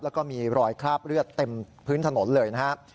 แล้วก็มีรอยคราบเลือดเต็มพื้นถนนเลยนะครับ